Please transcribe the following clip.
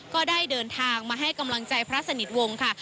ก็ได้เดินทางมาให้กำลังใจพระสนิทวงศ์ค่ะ